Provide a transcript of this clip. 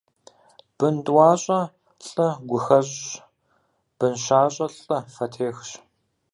Бын тӀуащӀэ лӀы гу хэщӀщ, бын щащӀэ лӀы фэ техщ.